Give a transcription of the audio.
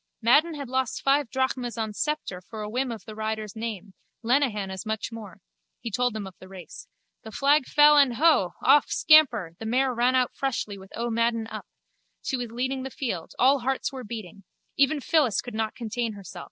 Madden had lost five drachmas on Sceptre for a whim of the rider's name: Lenehan as much more. He told them of the race. The flag fell and, huuh! off, scamper, the mare ran out freshly with O. Madden up. She was leading the field. All hearts were beating. Even Phyllis could not contain herself.